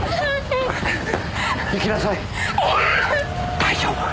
大丈夫。